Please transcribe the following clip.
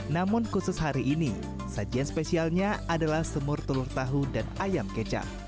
namun khusus hari ini sajian spesialnya adalah semur telur tahu dan ayam kecap